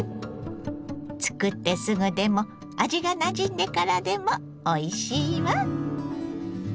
作ってすぐでも味がなじんでからでもおいしいわ。